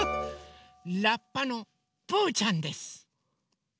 ラッパのぷうちゃんです！